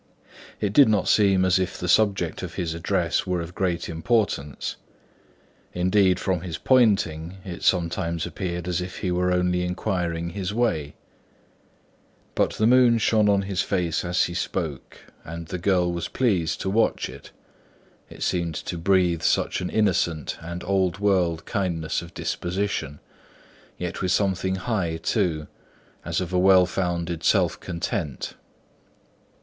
It did not seem as if the subject of his address were of great importance; indeed, from his pointing, it sometimes appeared as if he were only inquiring his way; but the moon shone on his face as he spoke, and the girl was pleased to watch it, it seemed to breathe such an innocent and old world kindness of disposition, yet with something high too, as of a well founded self content.